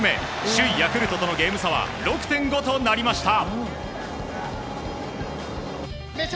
首位ヤクルトとのゲーム差は６．５となりました。